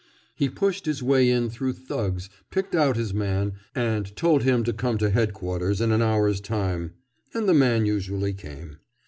He pushed his way in through thugs, picked out his man, and told him to come to Headquarters in an hour's time—and the man usually came.